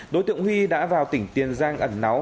đối tượng huy đã vào tỉnh tiền giang ẩn náu